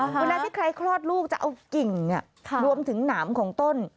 เวลาที่ใครคลอดลูกจะเอากิ่งรวมถึงหนามของต้น